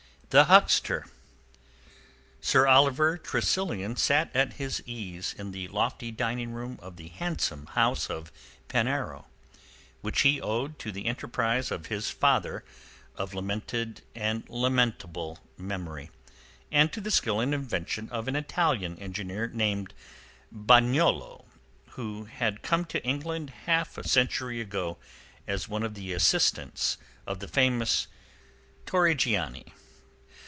THE HUCKSTER Sir Oliver Tressilian sat at his ease in the lofty dining room of the handsome house of Penarrow, which he owed to the enterprise of his father of lamented and lamentable memory and to the skill and invention of an Italian engineer named Bagnolo who had come to England half a century ago as one of the assistants of the famous Torrigiani.